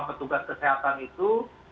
petugas kesehatan itu